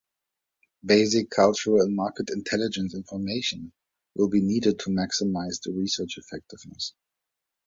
Basic Cultural and Market intelligence information will be needed to maximize the research effectiveness.